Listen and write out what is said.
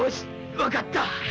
わかった！